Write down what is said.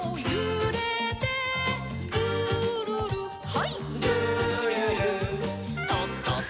はい。